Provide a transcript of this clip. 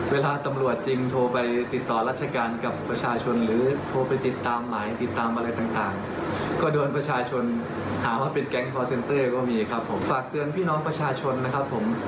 ฟังพี่เขาเตือนนะคะ